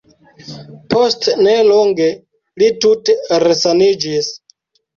Post nelonge, li tute resaniĝis.